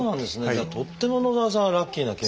じゃあとっても野澤さんはラッキーなケースだった。